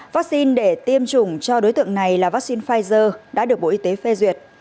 vắc xin để tiêm chủng cho đối tượng này là vắc xin pfizer đã được bộ y tế phê duyệt